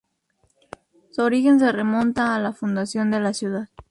Su origen se remonta a la fundación de la ciudad.